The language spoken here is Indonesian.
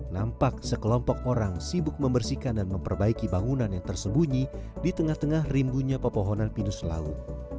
nampak sekelompok orang sibuk membersihkan dan memperbaiki bangunan yang tersembunyi di tengah tengah rimbunya pepohonan pinus laut